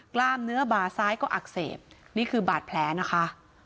กล้ามเนื้อบ่าซ้ายก็อักเสบนี่คือบาดแผลนะคะ